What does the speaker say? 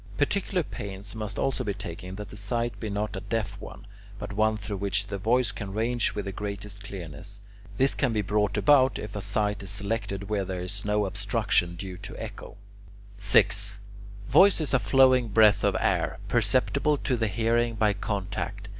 Particular pains must also be taken that the site be not a "deaf" one, but one through which the voice can range with the greatest clearness. This can be brought about if a site is selected where there is no obstruction due to echo. 6. Voice is a flowing breath of air, perceptible to the hearing by contact.